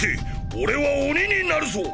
俺は鬼になるぞ。